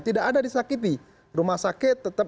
tidak ada disakiti rumah sakit tetap